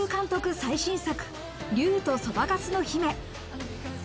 最新作『竜とそばかすの姫』。